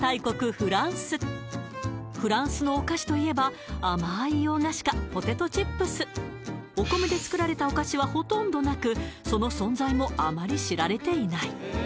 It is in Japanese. フランスフランスのお菓子といえば甘い洋菓子かポテトチップスお米で作られたお菓子はほとんどなくその存在もあまり知られていない